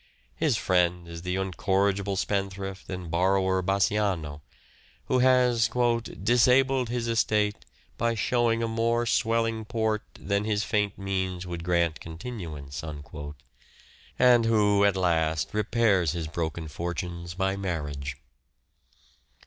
His friend is the incorrigible spendthrift and borrower Bassanio, who has " disabled his estate by showing a more swelling port than his faint means would grant continuance," and who at last repairs his broken fortunes by marriage.